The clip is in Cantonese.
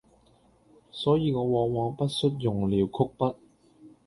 所以我往往不恤用了曲筆，